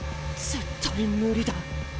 絶対無理だ。